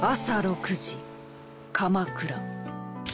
朝６時鎌倉。